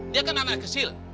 dia kan anak kecil